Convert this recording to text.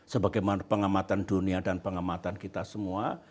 sebagaimana pengamatan dunia dan pengamatan kita semua